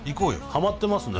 ハマってますね。